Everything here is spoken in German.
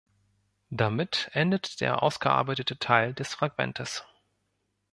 Damit endet der ausgearbeitete Teil des Fragmentes.